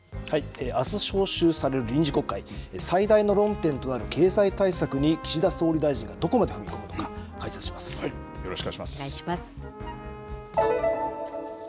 あす召集される臨時国会最大の論点となる経済対策に岸田総理大臣がどこまで踏み込むのかよろしくお願いします。